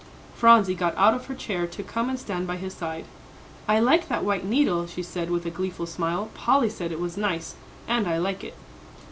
Phronsie got out of her chair to come and stand by his side. "I like that white needle," she said, with a gleeful smile. "Polly said it was nice, and I like it."